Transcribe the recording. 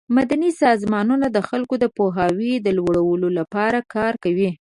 مدني سازمانونه د خلکو د پوهاوي د لوړولو لپاره کار کوي.